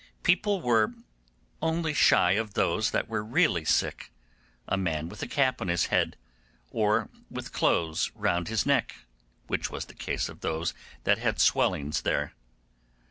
People were only shy of those that were really sick, a man with a cap upon his head, or with clothes round his neck, which was the case of those that had swellings there.